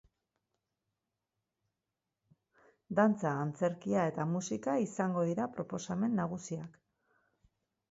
Dantza, antzerkia eta musika izango dira proposamen nagusiak.